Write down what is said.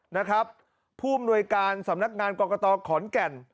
นะครับผู้บริการสำนักงานกอกกะตอขอนแก่น